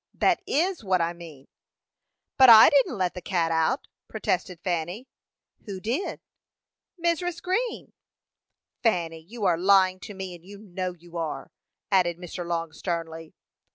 "That is what I mean." "But I didn't let the cat out," protested Fanny. "Who did?" "Mrs. Green." "Fanny, you are lying to me, and you know you are," added Mr. Long, sternly.